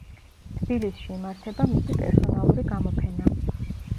თბილისში იმართება მისი პერსონალური გამოფენა.